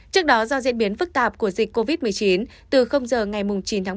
trước đó do diễn biến phức tạp của dịch covid một mươi chín từ giờ ngày chín tháng bảy